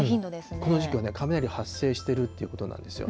この時期は雷、発生してるということなんですよ。